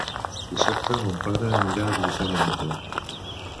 Dissabte mon pare anirà a visitar mon oncle.